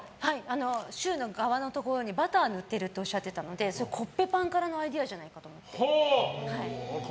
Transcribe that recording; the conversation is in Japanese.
シューのガワのところにバター塗ってるっておっしゃっていたのでコッペパンからのアイデアじゃないかと思って。